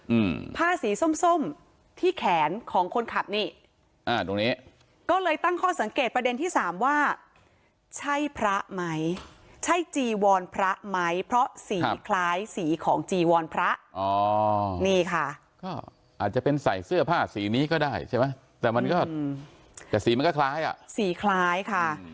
อืมผ้าสีส้มส้มที่แขนของคนขับนี่อ่าตรงนี้ก็เลยตั้งข้อสังเกตประเด็นที่สามว่าใช่พระไหมใช่จีวรพระไหมเพราะสีคล้ายสีของจีวรพระอ๋อนี่ค่ะก็อาจจะเป็นใส่เสื้อผ้าสีนี้ก็ได้ใช่ไหมแต่มันก็แต่สีมันก็คล้ายอ่ะสีคล้ายค่ะ